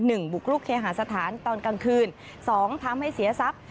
บุกรุกเคหาสถานตอนกลางคืนสองทำให้เสียทรัพย์